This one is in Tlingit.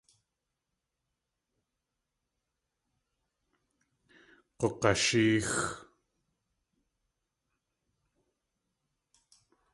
Gug̲ashéex.